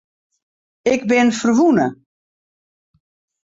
Ik bin ferwûne.